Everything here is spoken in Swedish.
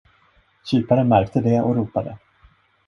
Kyparen märkte det och ropade.